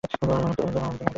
ঐ অনন্ত আনন্দই আমাদের লক্ষ্য।